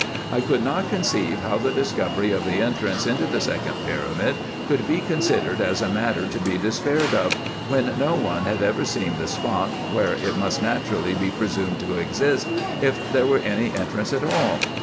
I could not conceive how the discovery of the entrance into the second pyramid could be considered as a matter to be despaired of, when no one had ever seen the spot, where it must naturally be presumed to exist, if there were any entrance at all.